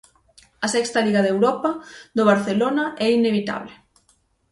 A sexta liga de Europa do Barcelona é inevitable.